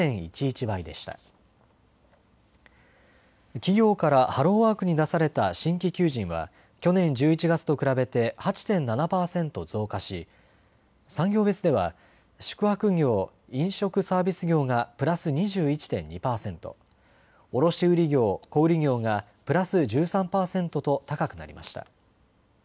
企業からハローワークに出された新規求人は去年１１月と比べて８．７％増加し産業別では宿泊業・飲食サービス業がプラス２１．２％、卸売業・小売業がプラス１３％と高くなりました。